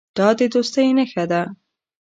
دا د دوستۍ نښه ده.